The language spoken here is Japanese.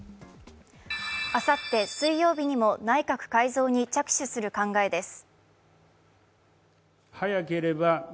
あさって水曜日にも内閣改造に着手する考えです。